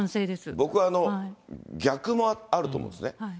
僕は逆もあると思うんですね。